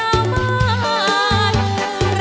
มาฟังอินโทรเพลงที่๑๐